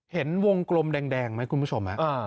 เห็นวงกลมแดงไหมคุณผู้ชม